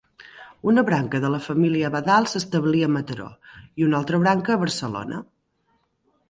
Una branca de la família Abadal s'establí a Mataró i un altre branca a Barcelona.